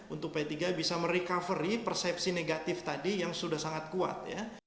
untuk p tiga bisa merecovery persepsi negatif tadi yang sudah sangat kuat ya